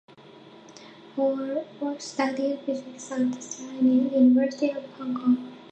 Fok studied physics at the Chinese University of Hong Kong.